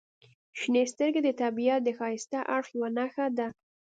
• شنې سترګې د طبیعت د ښایسته اړخ یوه نښه ده.